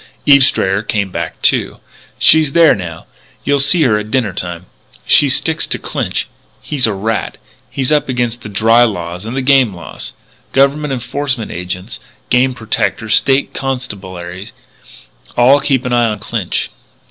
"Eve Strayer came back too. She's there now. You'll see her at dinner time. She sticks to Clinch. He's a rat. He's up against the dry laws and the game laws. Government enforcement agents, game protectors, State Constabulary, all keep an eye on Clinch.